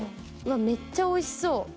めっちゃおいしそう。